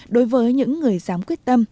đối với những người dám quyết tâm